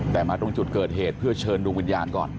แต่มาตรงจุดเกิดเหตุเพื่อเชิญดวงวิญญาณก่อน